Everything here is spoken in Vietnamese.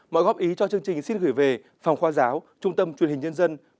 mọi góp ý cho chương trình xin gửi về phòng khoa giáo trung tâm truyền hình nhân dân